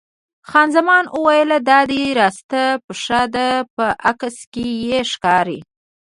خان زمان وویل: دا دې راسته پښه ده، په عکس کې یې ښکاري.